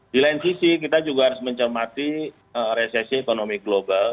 di lain sisi kita juga harus mencermati resesi ekonomi global